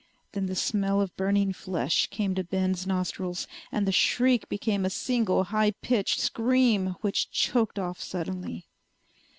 Then the smell of burning flesh came to Ben's nostrils, and the shriek became a single high pitched scream which choked off suddenly.